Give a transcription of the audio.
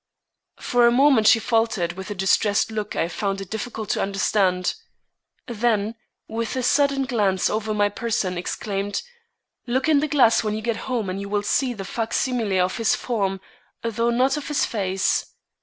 For a moment she faltered, with a distressed look I found it difficult to understand. Then, with a sudden glance over my person, exclaimed: "Look in the glass when you get home and you will see the fac simile of his form, though not of his face.